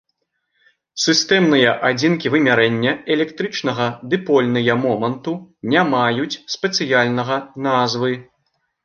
Сістэмныя адзінкі вымярэння электрычнага дыпольныя моманту не маюць спецыяльнага назвы.